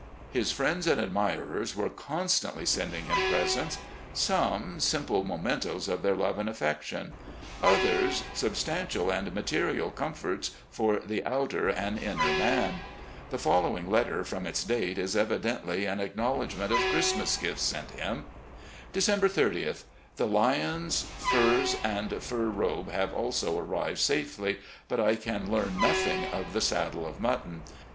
." His friends and admirers were constantly sending him presents; some, simple mementos of their love and affec 142 RECOLLECTIONS OF GENERAL LEE tion; others, substantial and material comforts for the outer and inner man. The following letter, from its date, is evidently an acknowledgment of Christmas gifts sent him; " December 30th. .. The Lyons furs and fur robe have also arrived safely, but I can learn nothing of the saddle of mutton.